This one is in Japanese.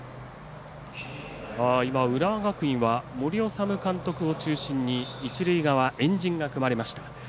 今、浦和学院は森士監督を中心に一塁側、円陣が組まれました。